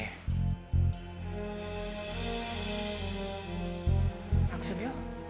bukan orang tuanya